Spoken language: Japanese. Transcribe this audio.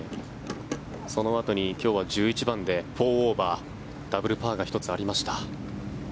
そのあとに今日は１１番で４オーバーダブルパーが１つありました。